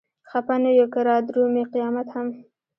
خپه نه يو که رادرومي قيامت هم